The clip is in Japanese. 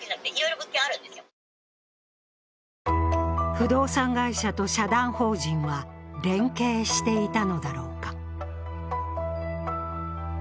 不動産会社と社団法人は連携していたのだろうか。